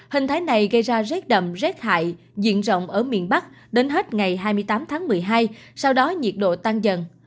hình thái này gây ra rét đậm rét hại diện rộng ở miền bắc đến hết ngày hai mươi tám tháng một mươi hai sau đó nhiệt độ tăng dần